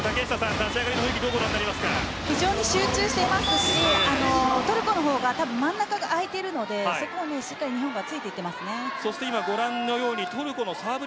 立ち上がり非常に集中していますしトルコのほうがたぶん真ん中が空いているのでそこ日本がしっかり突いていってますね。